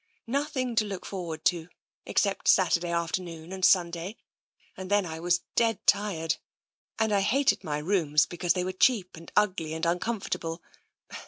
Nothing to TENSION 69 look forward to, except Saturday afternoon and Sun day, and then I was dead tired, and I hated my rooms, because they were cheap and ugly and uncomfortable.